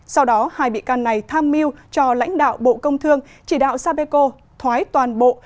sau đó hai bị can này tham mưu cho lãnh đạo bộ công thương chỉ đạo sapeco thoái toàn bộ